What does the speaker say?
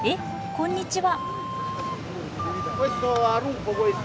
こんにちは。